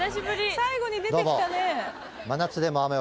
最後に出てきたね